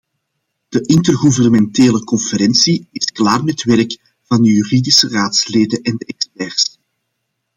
De intergouvernementele conferentie is klaar met werk van de juridische raadslieden en de experts.